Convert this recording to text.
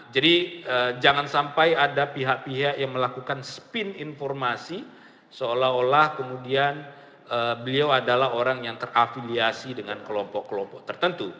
jadi jangan sampai ada pihak pihak yang melakukan spin informasi seolah olah kemudian beliau adalah orang yang terafiliasi dengan kelompok kelompok tertentu